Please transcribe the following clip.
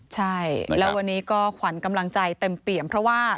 ใช่แล้ววันนี้ก็ขวัญกำลังใจเต็มเปี่ยมเพราะว่า